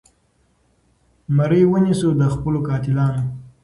مرۍ ونیسو د خپلو قاتلانو